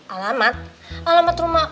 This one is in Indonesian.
alamat alamat rumah